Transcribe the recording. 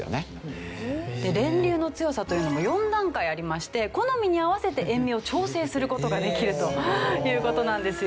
電流の強さというのも４段階ありまして好みに合わせて塩味を調整する事ができるという事なんですよ。